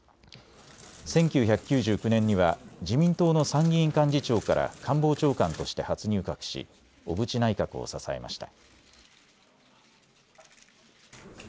１９９９年には自民党の参議院幹事長から官房長官として初入閣し小渕内閣を支えました。